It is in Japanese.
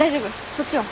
そっちは？